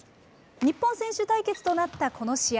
日本選手対決となったこの試合。